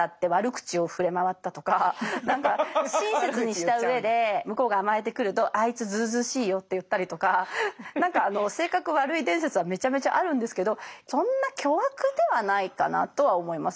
親切にした上で向こうが甘えてくると「あいつずうずうしいよ」って言ったりとか何か性格悪い伝説はめちゃめちゃあるんですけどそんな巨悪ではないかなとは思います。